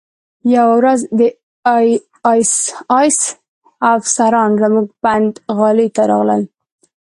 یوه ورځ د اېس ایس افسران زموږ پنډغالي ته راغلل